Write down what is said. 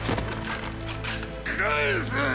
返せ！